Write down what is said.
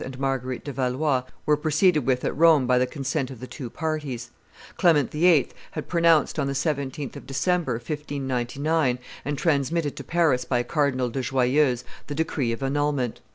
and Marguerite de Valois were proceeded with at Rome by consent of the two parties. Clement VIII. had pronounced on the 17th of December, 1599, and transmitted to Paris by Cardinal de Joyeuse the decree of annulment.